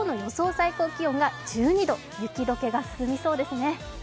最高気温が１２度、雪解けが進みそうですね。